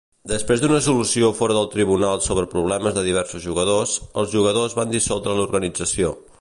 Després d'una solució fora del tribunal sobre problemes de diversos jugadors, els jugadors van dissoldre l'organització.